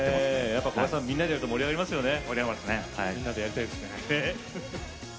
やっぱみんなでやると盛り上がりますよね。